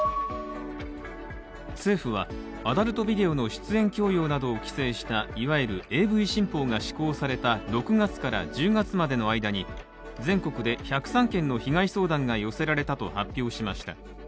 政府はアダルトビデオの出演強要などを規制したいわゆるＡＶ新法が施行された６月から１０月までの間に全国で１０３件の被害相談が寄せられたと発表しました。